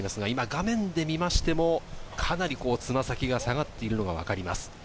画面で見ましても、かなりつま先が下がっているのが分かります。